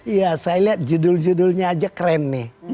iya saya lihat judul judulnya aja keren nih